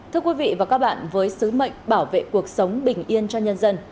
thưa quý vị và các bạn với sứ mệnh bảo vệ cuộc sống bình yên cho nhân dân